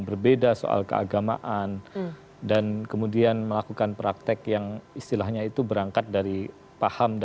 berbeda soal keagamaan dan kemudian melakukan praktek yang istilahnya itu berangkat dari paham